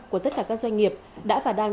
của tất cả các doanh nghiệp đã và đang